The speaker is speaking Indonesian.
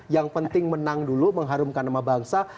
yang penting menang dulu mengharumkan nama bangsa